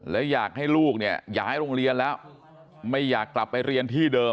และอยากให้ลูกเนี่ยย้ายโรงเรียนแล้วไม่อยากกลับไปเรียนที่เดิม